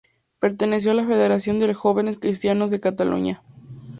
Perteneció a la Federación de Jóvenes Cristianos de Cataluña.